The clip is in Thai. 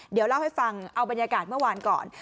เดี๋ยวเล่าให้ฟังเอาบรรยากาศเมื่อวานก่อน